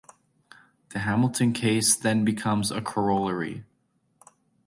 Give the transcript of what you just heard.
The Hamiltonian case then becomes a corollary.